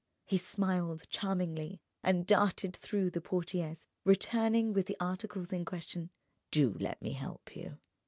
He smiled charmingly and darted through the portières, returning with the articles in question. "Do let me help you."